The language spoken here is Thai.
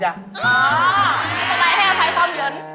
นี่จะอะไรจะใช้ตอนเยิน